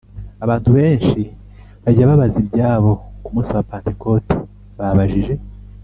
Abantu benshi bajya babaza ibyabo ku munsi wa pentekote babajije,